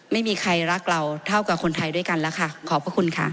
ไม่มีใครรักเราเท่ากับคนไทยด้วยกันแล้วค่ะขอบพระคุณค่ะ